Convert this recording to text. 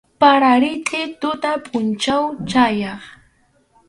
Para, ritʼi tuta pʼunchaw chayaq.